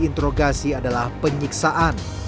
interogasi adalah penyiksaan